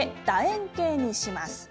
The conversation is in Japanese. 円形にします。